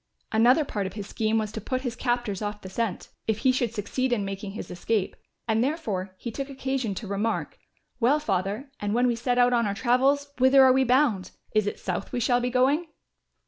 Another part of his scheme was to put his captors off the scent, if he should succeed in making his escape, and therefore he took occasion to remark; "Well, Father, and when we set out on our travels, whither are we bound? Is it south we shall be going?"